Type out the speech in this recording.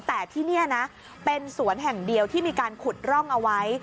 แต่ที่นี่นะเป็นสวนแห่งเดียวที่มีการขุดร่องเอาไว้